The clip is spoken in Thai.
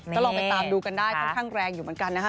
ก็ลองไปตามดูกันได้ค่อนข้างแรงอยู่เหมือนกันนะฮะ